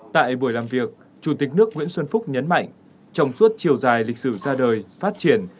tại buổi làm việc chủ tịch nước nguyễn xuân phúc nhấn mạnh trong suốt chiều dài lịch sử ra đời phát triển